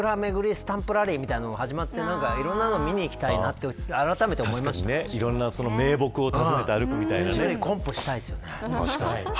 スタンプラリーみたいなのがはじまっていろんなのを見に行きたいといろんな名木を訪ねて歩く非常にコンプしたいですよね。